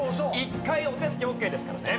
１回お手つきオーケーですからね。